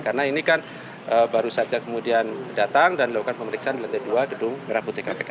karena ini kan baru saja kemudian datang dan dilakukan pemeriksaan di lantai dua gedung merah butik akk